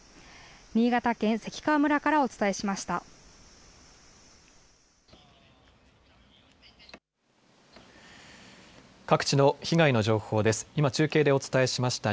新潟県関川村からお伝えしました。